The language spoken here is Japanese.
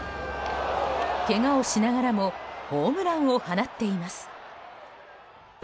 けがをしながらもホームランを放っています。